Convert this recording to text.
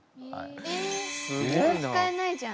え使えないじゃん。